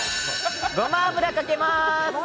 ごま油かけまーす。